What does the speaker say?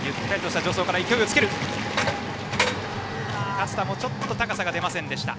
勝田もちょっと高さが出ませんでした。